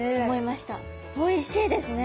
おいしいですね！